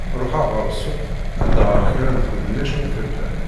Ruḥeɣ ɣer ssuq ad d-aɣeɣ kra n tednect ma tella.